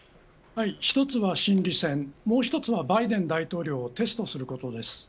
一つは心理戦もう一つはバイデン大統領をテストすることです。